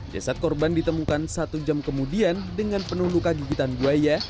jasad korban ditemukan satu jam kemudian dengan penuh luka gigitan buaya